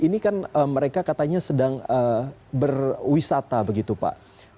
ini kan mereka katanya sedang berwisata begitu pak